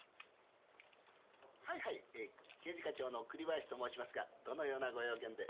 はいはい刑事課長の栗林と申しますがどのようなご用件で？